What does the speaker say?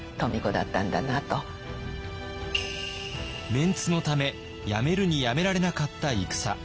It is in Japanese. メンツのためやめるにやめられなかった戦。